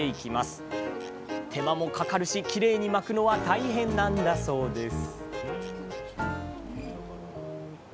手間もかかるしきれいに巻くのは大変なんだそうです